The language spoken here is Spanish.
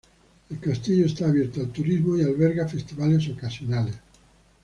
El castillo está abierto al turismo, y alberga festivales ocasionales.